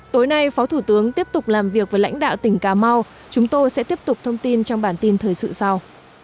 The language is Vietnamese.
tối nay phó thủ tướng tiếp tục làm việc với lãnh đạo tỉnh cà mau chúng tôi sẽ tiếp tục thông tin trong bản tin thời sự sau